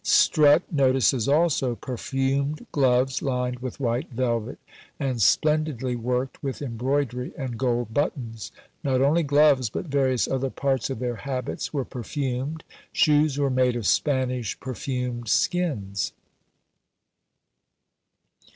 Strutt notices also perfumed gloves lined with white velvet, and splendidly worked with embroidery and gold buttons. Not only gloves, but various other parts of their habits, were perfumed; shoes were made of Spanish perfumed skins.